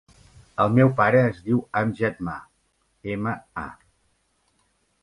El meu pare es diu Amjad Ma: ema, a.